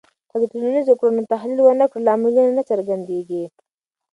که د ټولنیزو کړنو تحلیل ونه کړې، لاملونه نه څرګندېږي.